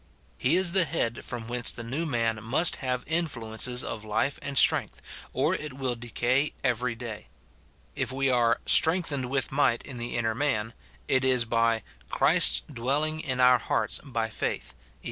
He is the head from whence the new man must have influences of life and strength, or it will decay every day. If we are "strengthened with might in the inner man,"* it is by " Christ's dwelling in our hearts by faith," Eph.